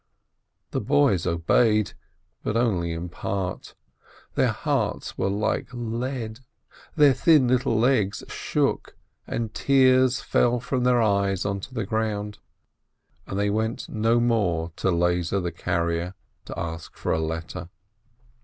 The brothers obeyed, but only in part: their hearts were like lead, their thin little legs shook, and tears fell from their eyes onto the ground. And they went no more to Lezer the carrier to ask for a letter.